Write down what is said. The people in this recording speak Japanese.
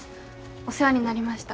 お世話になりました。